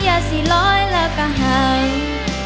อย่าสิร้อยแล้วกระห่าง